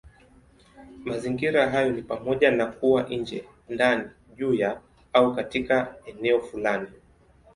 Mazingira hayo ni pamoja na kuwa nje, ndani, juu ya, au katika eneo fulani.